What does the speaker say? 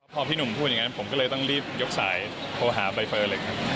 พอพี่หนุ่มพูดอย่างนั้นผมก็เลยต้องรีบยกสายโทรหาใบเฟิร์นเลยครับ